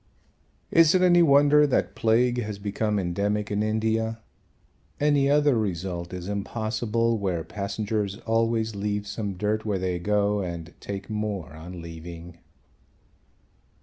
Is it any wonder that plague has become endemic in India? Any other result is impossible where passengers always leave some dirt where they go and take more on leaving.